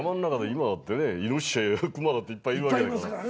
今だってイノシシや熊だっていっぱいいるわけだから。